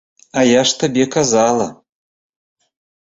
А я ж табе казала.